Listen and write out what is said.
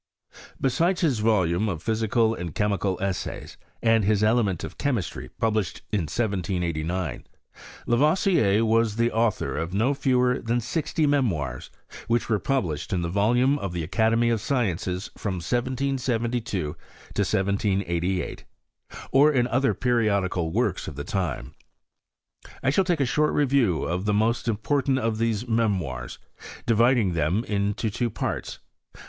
Besides his volume of Physical and Chemical Essays, and his Elements of Chemistry, published in 1789, Lavoisier was the author of no fewer than sixty memoirs, which were published in the volumes of the Academy of Sciences, from 1772, to 1788, or in other periodical works of the time. 1 shall take a short review of the most important of these me moirs, dividing them into two parts : I.